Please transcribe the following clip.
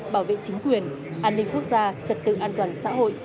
bảo vệ chính quyền an ninh quốc gia trật tự an toàn xã hội